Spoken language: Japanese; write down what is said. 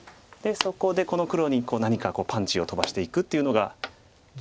そこでこの黒に何かパンチを飛ばしていくっていうのが。